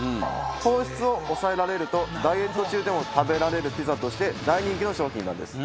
「糖質を抑えられる」とダイエット中でも食べられるピザとして大人気の商品なんです。